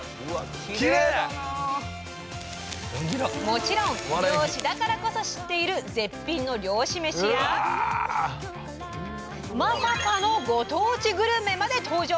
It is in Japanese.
もちろん漁師だからこそ知っている絶品の漁師めしやまさかのご当地グルメまで登場！